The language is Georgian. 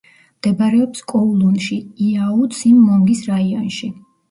მდებარეობს კოულუნში, იაუ-ციმ-მონგის რაიონში.